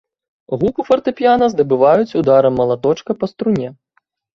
Гук у фартэпіяна здабываюць ударам малаточка па струне.